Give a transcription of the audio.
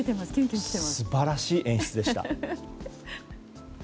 素晴らしい演出でした。